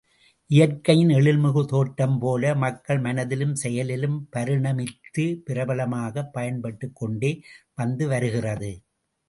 இயற்கையின் எழில்மிகு தோற்றம் போல, மக்கள் மனதிலும் செயலிலும் பரிணமித்து, பிரபலமாக பயன்பட்டுக் கொண்டே வந்தது வருகிறது.